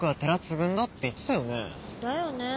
だよね。